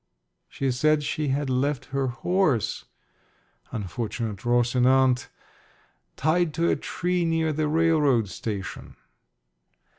She said she had left her horse (unfortunate Rosinante) tied to a tree near the railroad station.